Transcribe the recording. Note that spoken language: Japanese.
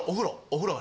お風呂！